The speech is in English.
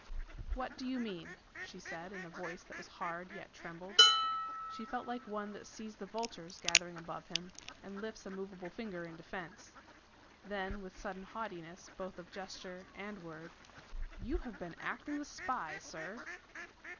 "What do you mean?" she said, in a voice that was hard yet trembled. She felt like one that sees the vultures gathering above him, and lifts a moveable finger in defence. Then with sudden haughtiness both of gesture and word: "You have been acting the spy, sir!"